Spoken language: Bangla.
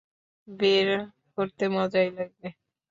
বের করতে মজাই লাগবে!